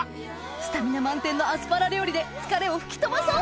スタミナ満点のアスパラ料理で疲れを吹き飛ばそう！